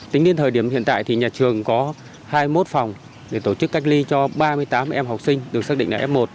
tính đến thời điểm hiện tại thì nhà trường có hai mươi một phòng để tổ chức cách ly cho ba mươi tám em học sinh được xác định là f một